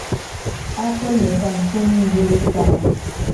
Apple ni kampuni nzuri sana